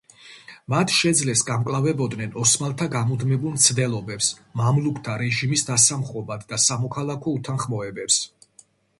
მათ შეძლეს გამკლავებოდნენ ოსმალთა გამუდმებულ მცდელობებს მამლუქთა რეჟიმის დასამხობად და სამოქალაქო უთანხმოებებს.